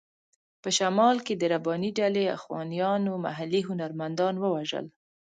په شمال کې د رباني ډلې اخوانیانو محلي هنرمندان ووژل.